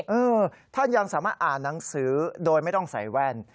เออท่านยังสามารถอ่านหนังสือโดยไม่ต้องใส่แว่น